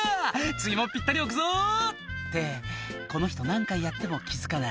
次もぴったり置くぞ」ってこの人何回やっても気付かない